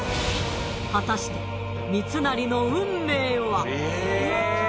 果たして三成の運命は！？